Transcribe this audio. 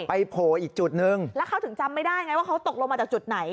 โผล่อีกจุดนึงแล้วเขาถึงจำไม่ได้ไงว่าเขาตกลงมาจากจุดไหน